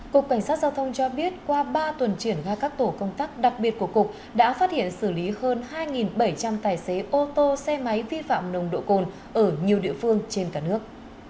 cục cảnh sát giao thông cho biết qua ba tuần triển ra các tổ công tác đặc biệt của cục đã phát hiện xử lý hơn hai bảy trăm linh tài xế ô tô xe máy vi phạm nồng độ cồn ở nhiều địa phương trên cả nước